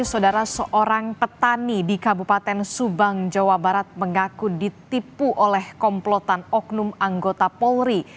saudara seorang petani di kabupaten subang jawa barat mengaku ditipu oleh komplotan oknum anggota polri